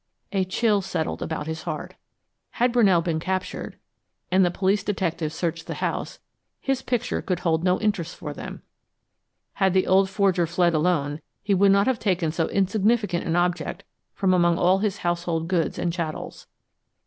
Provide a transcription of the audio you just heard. A chill settled about his heart. Had Brunell been captured, and police detectives searched the house, his picture could hold no interest for them. Had the old forger fled alone, he would not have taken so insignificant an object from among all his household goods and chattels.